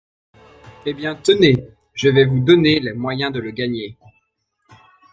Eh ! bien, tenez, je vais vous donner les moyens de le gagner.